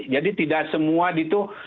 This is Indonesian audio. jadi tidak semua itu